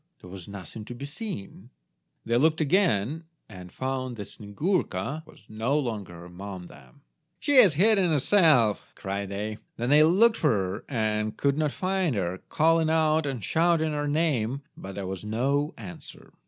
There was nothing to be seen. They looked again, and found that Snyegurka was no longer among them. "She has hidden herself," cried they. Then they looked for her, but could not find her, calling out and shouting her name, but there was no answer.